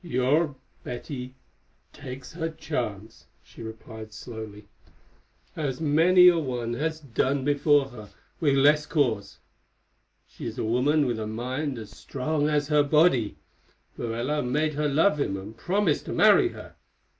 "Your Betty takes her chance," she replied slowly, "as many a one has done before her with less cause. She is a woman with a mind as strong as her body. Morella made her love him and promised to marry her.